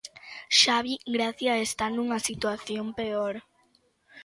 Xavi Gracia está nunha situación peor.